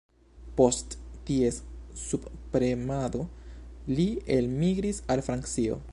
Post ties subpremado, li elmigris al Francio.